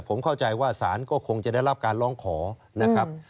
ผมเข้าใจว่าสารก็คงจะได้รับการร้องขอนะครับ